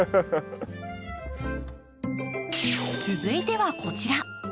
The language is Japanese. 続いてはこちら。